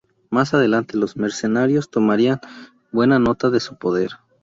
Más adelante, los mercenarios tomarían buena nota de su poder.